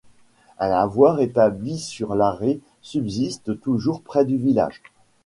Un lavoir établi sur l'Arré subsiste toujours près du village.